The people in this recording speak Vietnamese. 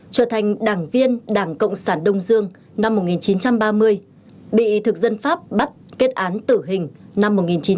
trở thành đảng viên đảng cộng sản đông dương năm một nghìn chín trăm ba mươi bị thực dân pháp bắt kết án tử hình năm một nghìn chín trăm bảy mươi